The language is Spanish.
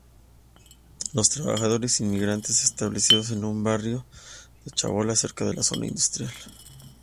Los trabajadores inmigrantes han establecido un barrio de chabolas cerca de la zona industrial.